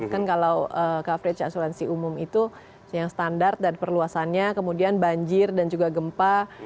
kan kalau coverage asuransi umum itu yang standar dan perluasannya kemudian banjir dan juga gempa